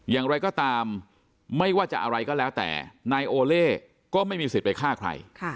อย่างไรก็ตามไม่ว่าจะอะไรก็แล้วแต่นายโอเล่ก็ไม่มีสิทธิ์ไปฆ่าใคร